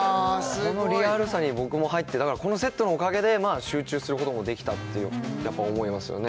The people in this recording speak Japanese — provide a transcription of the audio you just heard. このリアルさに僕も入ってだからこのセットのおかげで集中することもできたってやっぱ思いますよね